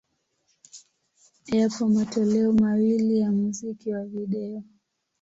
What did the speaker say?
Yapo matoleo mawili ya muziki wa video.